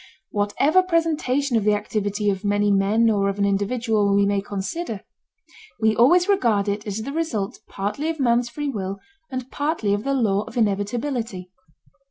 Whatever presentation of the activity of many men or of an individual we may consider, we always regard it as the result partly of man's free will and partly of the law of inevitability.